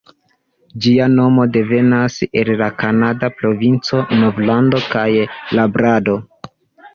Ĝia nomo devenas el la kanada provinco Novlando kaj Labradoro.